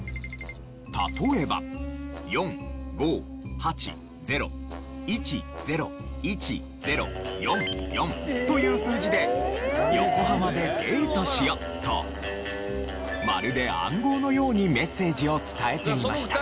例えば４５８０１０１０４４という数字で「ヨコハマでデートしよ」とまるで暗号のようにメッセージを伝えていました。